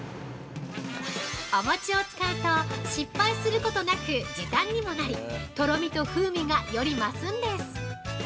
お餅を使うと、失敗することなく時短にもなりとろみと風味がより増すんです。